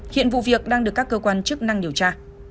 hiện vụ việc đang được các cơ quan chức năng điều tra